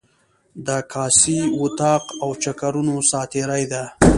د کاسې، وطاق او چکرونو ساعتیري ده.